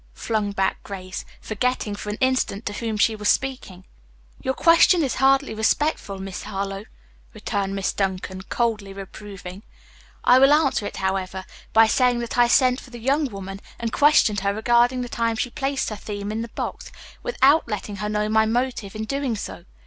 flung back Grace, forgetting for an instant to whom she was speaking. "Your question is hardly respectful, Miss Harlowe," returned Miss Duncan, coldly reproving. "I will answer it, however, by saying that I sent for the young woman and questioned her regarding the time she placed her theme in the box, without letting her know my motive in doing so.